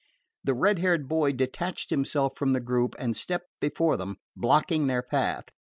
The red haired boy detached himself from the group, and stepped before them, blocking their path.